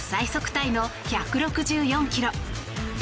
タイの１６４キロ。